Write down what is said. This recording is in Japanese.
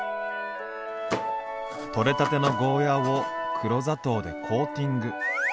取れたてのゴーヤーを黒砂糖でコーティング。